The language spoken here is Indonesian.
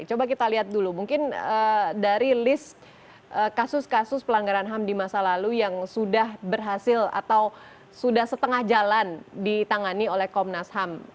coba kita lihat dulu mungkin dari list kasus kasus pelanggaran ham di masa lalu yang sudah berhasil atau sudah setengah jalan ditangani oleh komnas ham